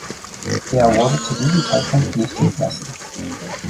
Er wurde zu diesem Zeitpunkt nicht entlassen.